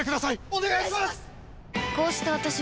お願いします！